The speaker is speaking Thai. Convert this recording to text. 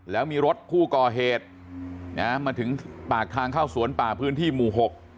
แล้วมีรถผู้ก่อเหตุนะมาถึงปากทางเข้าสวนป่าพื้นที่หมู่หก